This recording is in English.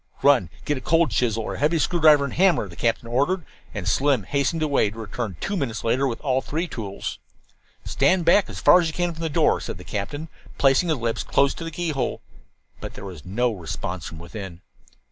"Run get a cold chisel or a heavy screwdriver and hammer," the captain ordered, and Slim hastened away, to return two minutes later with all three tools. "Stand back as far as you can from the door," said the captain, placing his lips close to the keyhole. But there was no response from within.